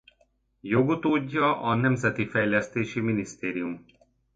Jogutódja a Nemzeti Fejlesztési Minisztérium.